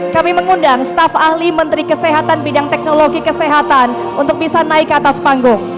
kami mengundang staf ahli menteri kesehatan bidang teknologi kesehatan untuk bisa naik ke atas panggung